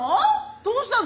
どうしたの？